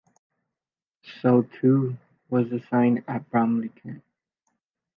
So too was the sign at Bromley, Kent.